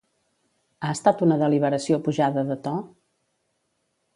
Ha estat una deliberació pujada de to?